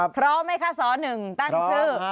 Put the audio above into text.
พร้อมไหมคะสหนึ่งตั้งชื่อ